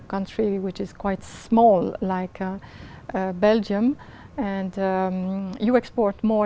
các hệ thống